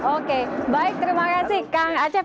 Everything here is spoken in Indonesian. oke baik terima kasih kang acep